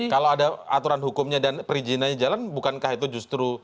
kalau ada aturan hukumnya dan perizinannya jalan bukankah itu justru